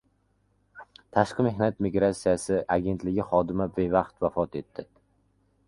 Tashqi mehnat migrasiyasi agentligi xodimi bevaqt vafot etdi